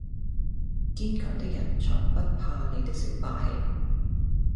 堅強的人才不怕你的小把戲！